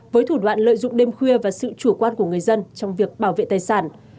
với thủ đoạn lợi dụng đêm khuya và sự chủ quan của người dân trong việc bảo vệ tài sản